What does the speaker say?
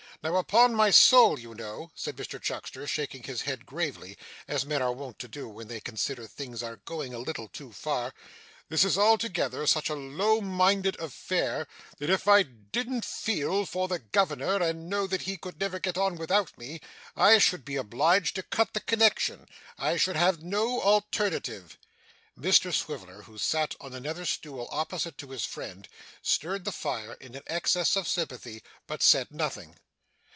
Now, upon my soul, you know,' said Mr Chuckster, shaking his head gravely, as men are wont to do when they consider things are going a little too far, 'this is altogether such a low minded affair, that if I didn't feel for the governor, and know that he could never get on without me, I should be obliged to cut the connection. I should have no alternative.' Mr Swiveller, who sat on another stool opposite to his friend, stirred the fire in an excess of sympathy, but said nothing.